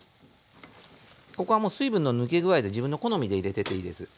ここはもう水分の抜け具合で自分の好みで入れてっていいです。